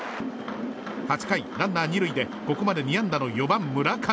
８回、ランナー２塁でここまで２安打の４番、村上。